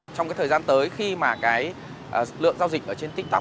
trong thời gian tới khi lượng giao dịch trên tiktok